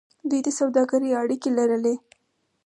دوی د سوداګرۍ اړیکې لرلې.